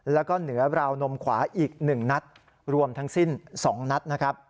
แล้วก็เหนือราวนมขวาอีก๑นัดรวมทั้งสิ้น๒นัดนะครับ